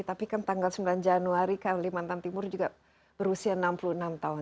tapi kan tanggal sembilan januari kalimantan timur juga berusia enam puluh enam tahun